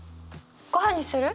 ごはんにする？